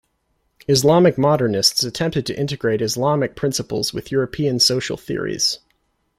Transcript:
Islamic Modernists attempted to integrate Islamic principles with European social theories.